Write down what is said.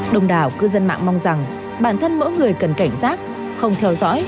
đồng đảo cư dân mạng mong rằng bản thân mỗi người cần cảnh giác không theo dõi